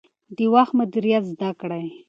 د وخت مدیریت زده کړئ.